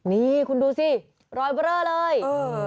นี่คุณดูสิรอยเบอร์เรอร์เลย